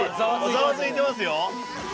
ザワついてますよ。